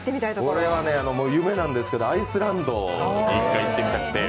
俺はね、夢なんですけどアイスランドに１回行ってみたくて。